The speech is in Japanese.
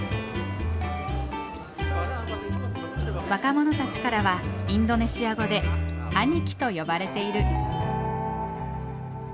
若者たちからはインドネシア語で兄貴と呼ばれている。